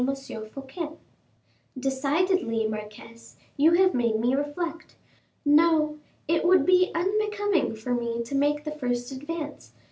Fouquet?" "Decidedly, marquise, you have made me reflect. No, it would be unbecoming for me to make the first advance.